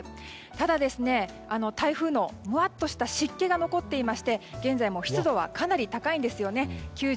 ただ、台風のムワッとした湿気が残っていまして現在も湿度はかなり高いんですよね。